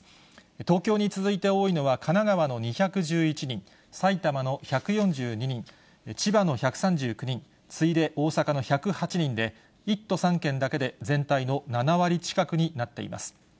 東京に続いて多いのは、神奈川の２１１人、埼玉の１４２人、千葉の１３９人、次いで大阪の１０８人で、１都３県だけで全体の７割近くになっています。